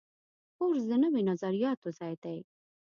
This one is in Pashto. کورس د نویو نظریاتو ځای دی.